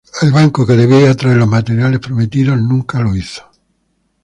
El barco que debía traer los materiales prometidos nunca lo hizo.